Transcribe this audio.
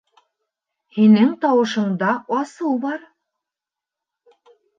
Һинең тауышыңда асыу бар.